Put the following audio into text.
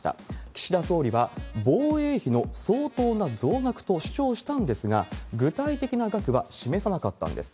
岸田総理は、防衛費の相当な増額と主張したんですが、具体的な額は示さなかったんです。